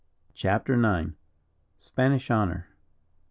CHAPTER IX. SPANISH HONOUR.